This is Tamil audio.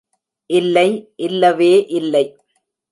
இல்லை, இல்லவே இல்லை!